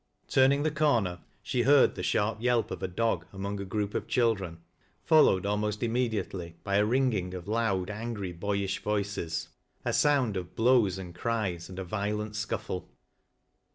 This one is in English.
Turning the corner, she heard the sharp yelp of a dog among a group of children, followed almost immediately by a ringing of loud, angry, boyish voices, a sound of blows and cries, and a violent scuffle.